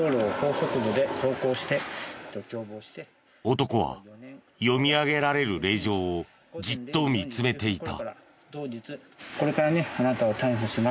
男は読み上げられる令状をじっと見つめていた。